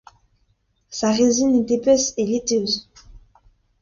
Sa résine est épaisse et laiteuse.